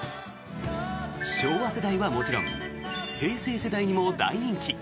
昭和世代はもちろん平成世代にも大人気！